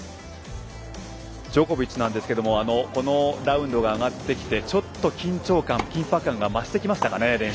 ジョコビッチなんですがこのラウンドに上がってきてちょっと練習の緊張感緊迫感が増してきましたかね。